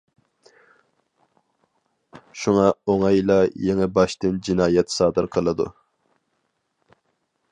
شۇڭا ئوڭايلا يېڭىباشتىن جىنايەت سادىر قىلىدۇ.